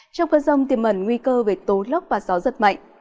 trong phần rông tiềm mẩn nguy cơ về tố lốc và gió giật mạnh